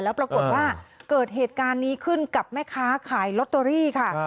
แล้วปรากฏว่าเกิดเหตุการณ์นี้ขึ้นกับแม่ค้าขายลอตเตอรี่ค่ะ